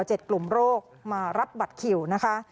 เจ็ดกลุ่มโรคมารับบัตรเขี่ยวนะคะ